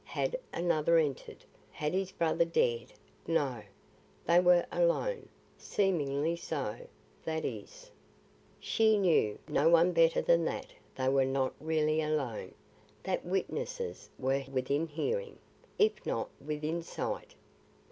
Had another entered? Had his brother dared No, they were alone; seemingly so, that is. She knew, no one better that they were not really alone, that witnesses were within hearing, if not within sight.